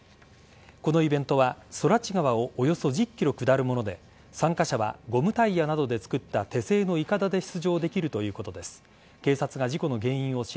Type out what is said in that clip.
このイベントは空知川をおよそ１０ｋｍ下るもので参加者はゴムタイヤなどでつくった手製のいかだで出場できるということです。